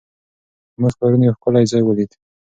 موږ پرون یو ښکلی ځای ولید.